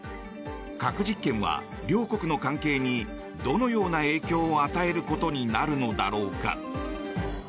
核実験は両国の関係にどのような影響を与えることになるのだろうか。